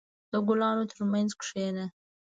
• د ګلانو ترمنځ کښېنه.